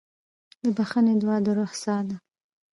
د بښنې دعا د روح ساه ده.